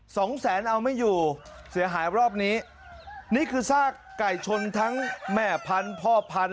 สองแสนเอาไม่อยู่เสียหายรอบนี้นี่คือซากไก่ชนทั้งแม่พันธุ์พ่อพันธ